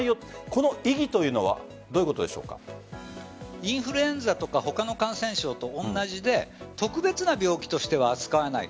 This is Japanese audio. この意義というのはインフルエンザとか他の感染症と同じで特別な病気としては扱わない。